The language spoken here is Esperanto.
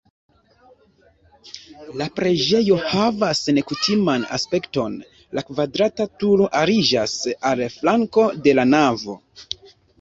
La preĝejo havas nekutiman aspekton, la kvadrata turo aliĝas al flanko de la navo.